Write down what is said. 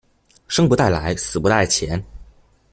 生不帶來，死不帶錢